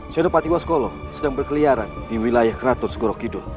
senopati waskolo sedang berkeliaran di wilayah keraton segorokidul